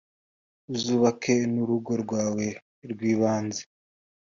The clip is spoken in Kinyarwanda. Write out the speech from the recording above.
uzubake n urugo rwawe rwibanze